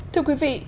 thưa quý vị